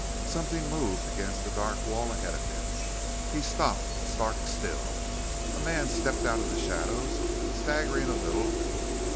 Something moved against the dark wall ahead of him. He stopped stark still. A man stepped out of the shadows, staggering a little.